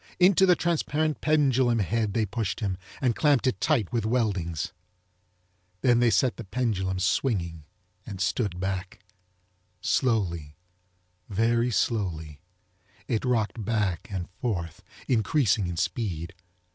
Into the transparent pendulum head they pushed him and clamped it tight with weldings. Then they set the pendulum swinging and stood back. Slowly, very slowly, it rocked back and forth, increasing in speed.